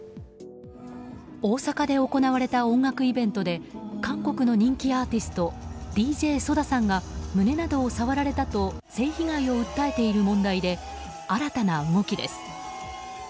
大阪で行われた音楽イベントで韓国の人気アーティストＤＪＳＯＤＡさんが胸などを触られたと性被害を訴えている問題で新たな動きです。